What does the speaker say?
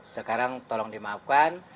sekarang tolong dimaafkan